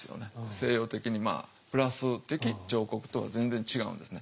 西洋的にプラス的彫刻とは全然違うんですね。